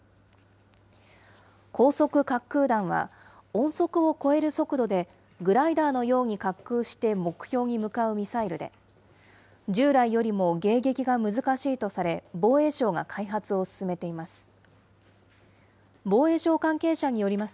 高速滑空弾は、音速を超える速度でグライダーのように滑空して目標に向かうミサイルで、従来よりも迎撃が難しいとされ、防衛省が開発を進めています。